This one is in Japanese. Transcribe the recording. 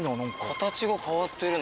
形が変わってる。